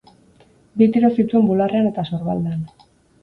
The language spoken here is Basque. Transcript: Bi tiro zituen bularrean eta sorbaldan.